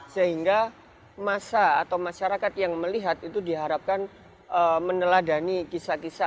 sehingga masa atau masyarakat yang melihat itu diharapkan meneladani kisah kisah